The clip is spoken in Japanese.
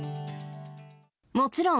もちろん。